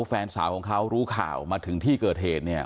แฟนสาวของเขารู้ข่าวมาถึงที่เกิดเหตุเนี่ย